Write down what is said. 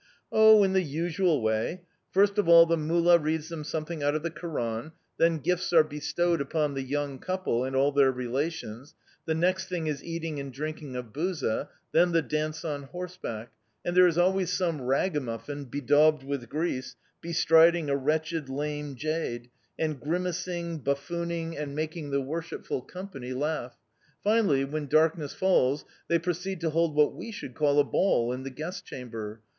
"Oh, in the usual way. First of all, the Mullah reads them something out of the Koran; then gifts are bestowed upon the young couple and all their relations; the next thing is eating and drinking of buza, then the dance on horseback; and there is always some ragamuffin, bedaubed with grease, bestriding a wretched, lame jade, and grimacing, buffooning, and making the worshipful company laugh. Finally, when darkness falls, they proceed to hold what we should call a ball in the guest chamber.